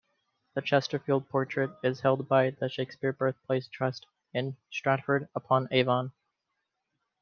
The Chesterfield portrait is held by the Shakespeare Birthplace Trust in Stratford-upon-Avon.